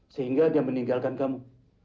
sehingga dia meninggalkan kamu